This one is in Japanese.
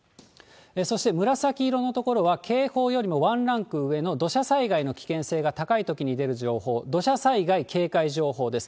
そして紫色の所は警報よりも１ランク上の土砂災害の危険性が高いときに出る情報、土砂災害警戒情報です。